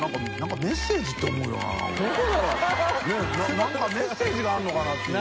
燭メッセージがあるのかな？っていう。